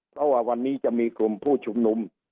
เพราะว่าวันนี้จะมีกลุ่มผู้ชุมนุม